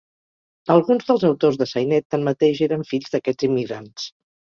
Alguns dels autors de sainet tanmateix eren fills d'aquests immigrants.